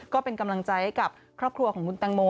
ก็เป็นกำลังใจให้กับครอบครัวของคุณตังโม